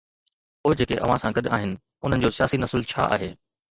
پوءِ جيڪي اوهان سان گڏ آهن انهن جو سياسي نسل ڇا آهي؟